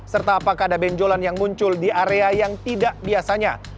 serta apakah ada benjolan yang muncul di area yang tidak biasanya